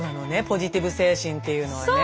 ポジティブ精神っていうのはね。